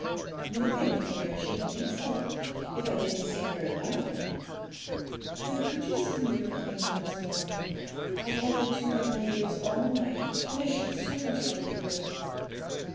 'No, mammie dear, I shouldn't think so, if I didn't sing very loud.' 'Then could you sing me your hymn once more? I've had the tune in my ears all night, and I should so much like to hear it.'